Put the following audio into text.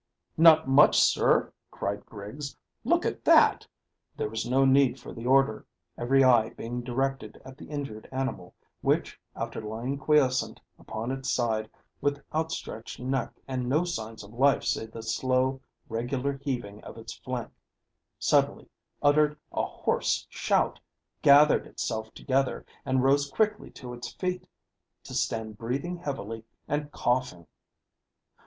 "Not much, sir," cried Griggs. "Look at that!" There was no need for the order, every eye being directed at the injured animal, which after lying quiescent upon its side with outstretched neck and no signs of life save the slow, regular heaving of its flank, suddenly uttered a hoarse shout, gathered itself together, and rose quickly to its feet, to stand breathing heavily and coughing.